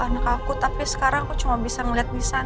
aku pengen meluk anak aku tapi sekarang aku cuma bisa ngeliat wisannya